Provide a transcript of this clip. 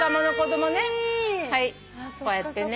こうやってね。